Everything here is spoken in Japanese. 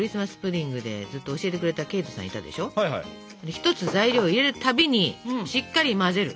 １つ材料を入れるたびにしっかり混ぜる。